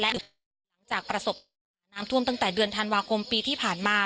ดึกจากประสบทวมาถุงตั้งแต่เดือนธันวาคมปีที่ผ่านมา